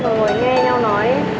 rồi ngồi nghe nhau nói